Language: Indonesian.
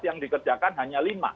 yang dikerjakan hanya lima